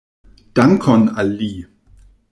Dankon al li!